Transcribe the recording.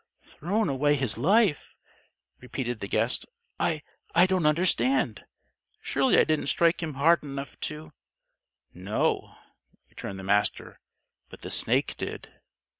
"Thrown away his life," repeated the guest. "I I don't understand. Surely I didn't strike him hard enough to " "No," returned the Master, "but the snake did."